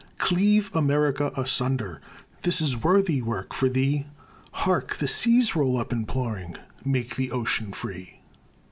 Cleave America asunder, This is worthy work for thee. Hark! The seas roll up imploring "Make the ocean free."